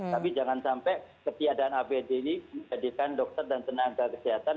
tapi jangan sampai ketiadaan apd ini menjadikan dokter dan tenaga kesehatan